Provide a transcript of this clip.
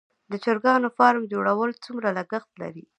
د چرګانو فارم جوړول څومره لګښت لري؟